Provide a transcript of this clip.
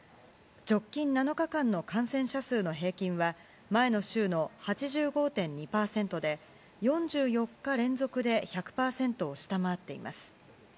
直近７日間の感染者数の平均は前の週の８５．２％で４４日連続で１００％を下回っています。